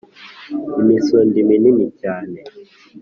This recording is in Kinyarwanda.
imisundi minini cyane